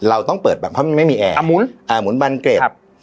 เราต้องเปิดบันเพราะมันไม่มีแอร์อ่ะหมุนอ่ะหมุนบันเกร็ดครับ